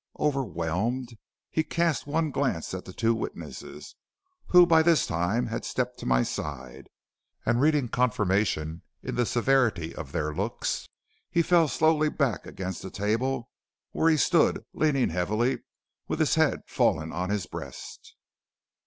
"Overwhelmed, he cast one glance at the two witnesses, who by this time had stepped to my side, and reading confirmation in the severity of their looks, he fell slowly back against the table where he stood leaning heavily, with his head fallen on his breast.